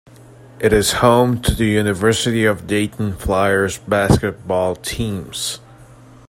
It is home to the University of Dayton Flyers basketball teams.